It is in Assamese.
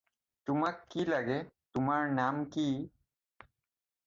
"তোমাক কি লাগে? তোমাৰ নাম কি?"